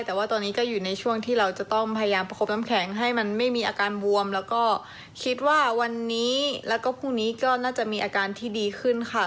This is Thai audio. แต่ว่าตอนนี้ก็อยู่ในช่วงที่เราจะต้องพยายามประคบน้ำแข็งให้มันไม่มีอาการบวมแล้วก็คิดว่าวันนี้แล้วก็พรุ่งนี้ก็น่าจะมีอาการที่ดีขึ้นค่ะ